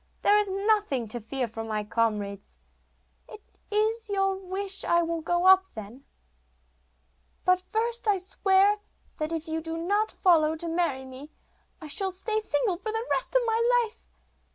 There is nothing to fear from my comrades.' 'If it is your wish I will go up then; but first I swear that if you do not follow to marry me, I shall stay single for the rest of my life.